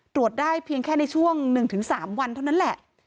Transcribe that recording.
ตรวจได้เพียงแค่ในช่วง๑๓วันเท่านั้นแหละ